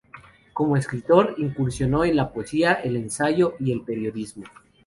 Como escritor, incursionó en la poesía, el ensayo y el periodismo.